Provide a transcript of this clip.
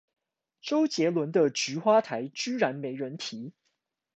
周杰倫的菊花台居然沒人提？